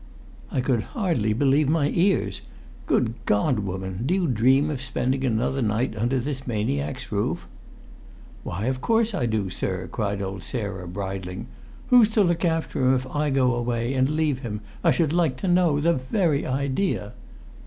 I could hardly believe my ears. "Good God, woman! Do you dream of spending another night under this maniac's roof?" "Why, of course I do, sir," cried old Sarah, bridling. "Who's to look after him, if I go away and leave him, I should like to know? The very idea!"